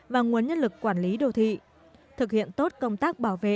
và nguồn nhân lực quản lý đô thị thực hiện tốt công tác bảo vệ